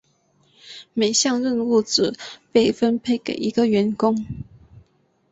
每项任务只被分配给一个员工。